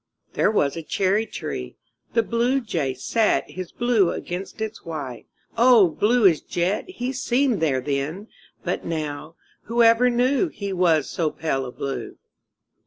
There was a cherry tree. The Bluejay sat His blue against its white O blue as jet He seemed there then! But now Whoever knew He was so pale a blue!